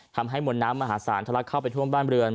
ทำให้มวลน้ำมหาศาลทะลักเข้าไปท่วมบ้านเรือน